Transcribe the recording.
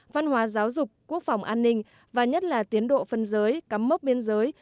văn hóa giáo dục quốc phòng an ninh và nhất là tiến độ phân giới cắm mốc biên giới